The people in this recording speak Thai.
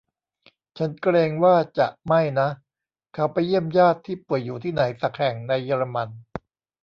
ฉันเกรงว่าจะไม่นะ เขาไปเยี่ยมญาติที่ป่วยอยู่ที่ไหนสักแห่งในเยอรมัน